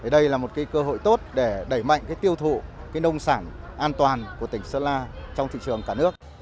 đây là một cơ hội tốt để đẩy mạnh tiêu thụ nông sản an toàn của tỉnh sơn la trong thị trường cả nước